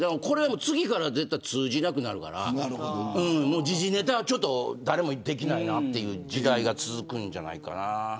次からは通じなくなるから時事ネタは誰もできないなという時代が続くんじゃないかな。